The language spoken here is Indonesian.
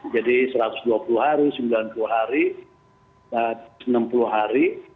jadi satu ratus dua puluh hari sembilan puluh hari enam puluh hari